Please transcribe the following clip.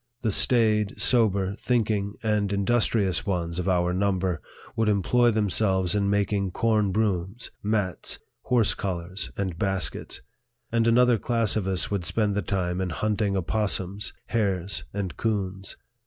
The staid, sober, thinking and industrious ones of our number would employ themselves in making corn brooms, mats, horse collars, and baskets ; and another class of us would spend the time in hunting opossums, hares, and coons.